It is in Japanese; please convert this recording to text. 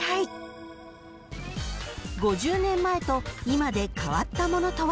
［５０年前と今で変わったものとは］